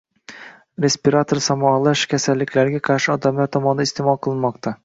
respirator shamollash kasalliklarga qarshi odamlar tomonidan iste’mol qilinmoqda.